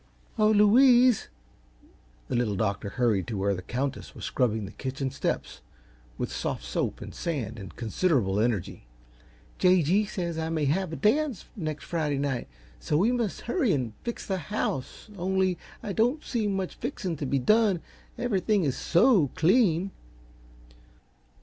"Oh, Louise!" The Little Doctor hurried to where the Countess was scrubbing the kitchen steps with soft soap and sand and considerable energy. "J. G. says I may have a dance next Friday night, so we must hurry and fix the house only I don't see much fixing to be done; everything is SO clean."